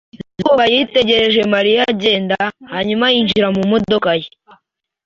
Zuba yitegereje Mariya agenda, hanyuma yinjira mu modoka ye.